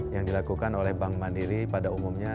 yang dilakukan oleh bank mandiri pada umumnya